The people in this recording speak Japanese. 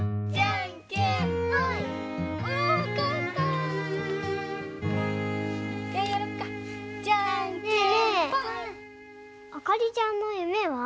あかりちゃんの夢は？